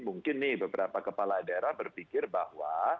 mungkin nih beberapa kepala daerah berpikir bahwa